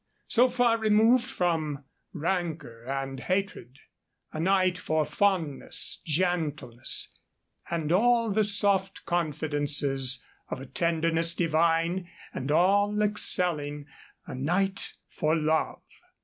so far removed from rancor and hatred! a night for fondness, gentleness, and all the soft confidences of a tenderness divine and all excelling a night for love!